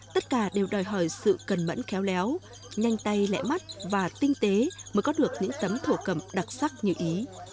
tất cả đều đòi hỏi sự cần mẫn khéo léo nhanh tay lẽ mắt và tinh tế mới có được những tấm thổ cầm đặc sắc như ý